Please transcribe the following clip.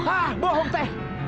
hah bohong teh